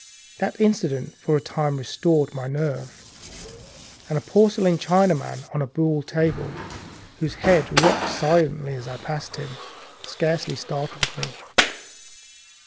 That incident for a time restored my nerve, and a dim porcelain Chinaman on a buhl table, whose head rocked as I passed, scarcely startled me.